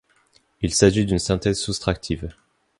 Il s'agit d'une synthèse soustractive.